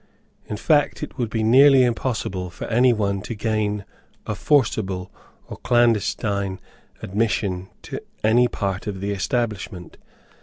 In fact it would be nearly impossible for any one to gain a forcible or clandestine admittance to any part of the establishment.